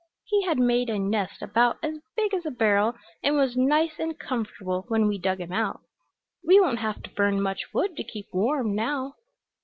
He had made a nest about as big as a barrel and was nice and comfortable when we dug him out. We won't have to burn much wood to keep warm now."